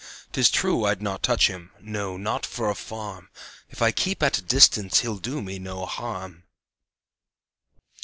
'Tis true I'd not touch him no, not for a farm! If I keep at a distance he'll do me no harm.